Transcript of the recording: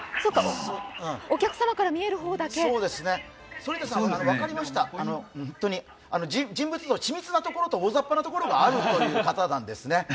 お客様から見える方だけ反田さん、分かりました、人物像、緻密なところと大雑把なところがある方なんですね。